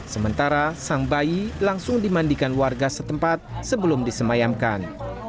sementara sang bayi langsung dimandikan warga setempat sebelum disemayamkan